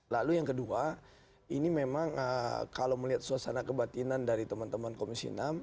lalu yang kedua ini memang kalau melihat suasana kebatinan dari teman teman komisi enam